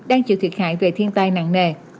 đang chịu thiệt hại về thiên tai nặng nề